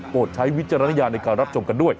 ใช้วิจารณญาณในการรับชมกันด้วย